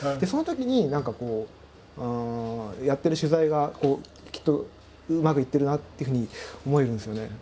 そのときに何かこうやってる取材がきっとうまくいってるなっていうふうに思えるんですよね。